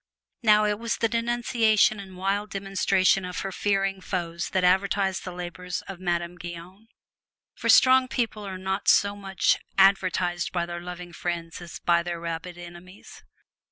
Now, it was the denunciation and wild demonstration of her fearing foes that advertised the labors of Madame Guyon. For strong people are not so much advertised by their loving friends as by their rabid enemies.